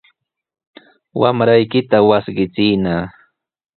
Wamraykita wasqichiyna.